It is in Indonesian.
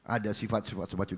ada sifat sifat sepatu